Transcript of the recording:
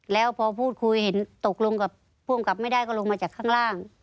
แล้วพอพูดคุยเห็นตกลงกับผู้อำกับไม่ได้ก็ลงมาจากข้างล่าง